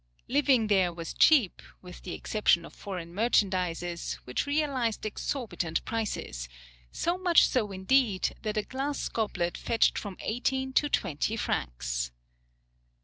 Living there was cheap, with the exception of foreign merchandises, which realized exorbitant prices, so much so indeed, that a glass goblet fetched from eighteen to twenty francs.